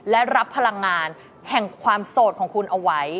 และรับพลังงานแห่งความโสดของคุณเอาไว้